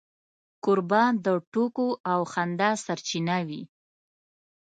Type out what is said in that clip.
کوربه د ټوکو او خندا سرچینه وي.